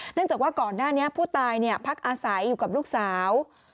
จากว่าก่อนหน้านี้ผู้ตายพักอาศัยอยู่กับลูกสาว